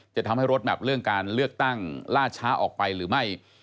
จะทำให้รถแมพเรื่องการเลือกตั้งล่าช้าออกไปหรือไม่